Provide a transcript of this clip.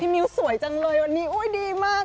มิ้วสวยจังเลยวันนี้ดีมาก